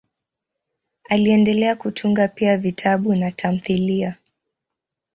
Aliendelea kutunga pia vitabu na tamthiliya.